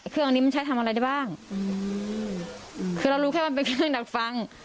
เครื่องนี้มันใช้ทำอะไรได้บ้างอืมคือเรารู้แค่ว่ามันเป็นเครื่องดักฟัง